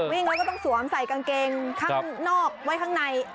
วิ่งแล้วก็ต้องสวมใส่กางเกงข้างนอกไว้ข้างใน